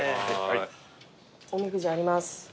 おみくじあります。